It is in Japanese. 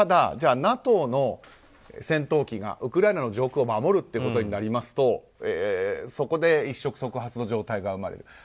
ただＮＡＴＯの戦闘機がウクライナの上空を守るということになりますとそこで一触即発の状態が生まれる。